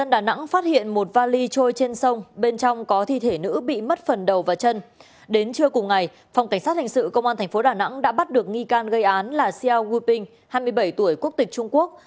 đến trưa cùng ngày phòng cảnh sát hành sự công an tp đà nẵng đã bắt được nghi can gây án là xiao gu ping hai mươi bảy tuổi quốc tịch trung quốc